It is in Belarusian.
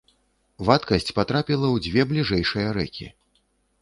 Вадкасць патрапіла ў дзве бліжэйшыя рэкі.